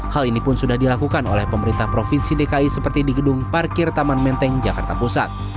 hal ini pun sudah dilakukan oleh pemerintah provinsi dki seperti di gedung parkir taman menteng jakarta pusat